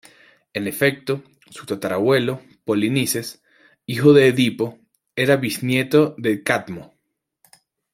En efecto, su tatarabuelo Polinices, hijo de Edipo, era bisnieto de Cadmo.